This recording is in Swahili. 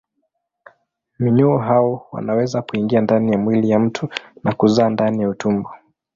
Minyoo hao wanaweza kuingia ndani ya mwili wa mtu na kuzaa ndani ya utumbo.